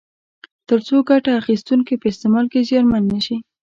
تر څو ګټه اخیستونکي په استعمال کې زیانمن نه شي.